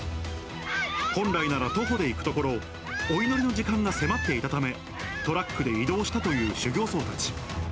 本来なら徒歩で行くところ、お祈りの時間が迫っていたため、トラックで移動したという修行僧たち。